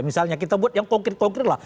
misalnya kita buat yang konkret konkret lah